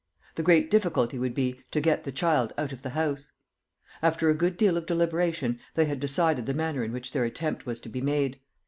The great difficulty would be, to get the child out of the house. After a good deal of deliberation they had decided the manner in which their attempt was to be made.